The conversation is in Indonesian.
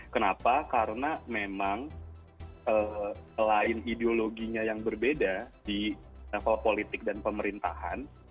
kenapa karena memang selain ideologinya yang berbeda di level politik dan pemerintahan